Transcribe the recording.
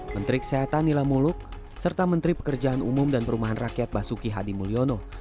menteri kesehatan nila muluk serta menteri pekerjaan umum dan perumahan rakyat basuki hadi mulyono